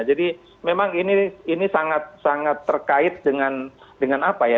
jadi memang ini sangat terkait dengan apa ya